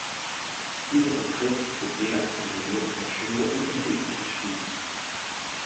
Dieser Begriff wird je nach psychologischer Schule unterschiedlich beschrieben.